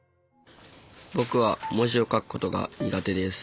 僕は文字を書くことが苦手です。